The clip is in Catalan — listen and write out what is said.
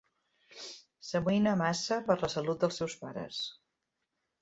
S'amoïna massa per la salut dels seus pares.